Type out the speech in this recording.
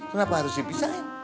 kenapa harus dipisahin